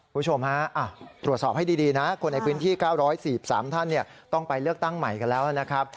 คุณผู้ชมฮะตรวจสอบให้ดีนะคนในพื้นที่๙๔๓ท่านต้องไปเลือกตั้งใหม่กันแล้วนะครับ